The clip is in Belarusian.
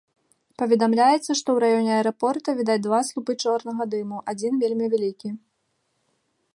Паведамляецца, што ў раёне аэрапорта відаць два слупы чорнага дыму, адзін вельмі вялікі.